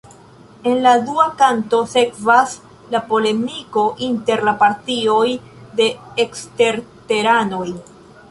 En la dua kanto sekvas la polemiko inter la partioj de eksterteranoj.